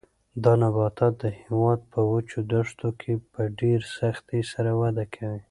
دا نباتات د هېواد په وچو دښتو کې په ډېر سختۍ سره وده کوي.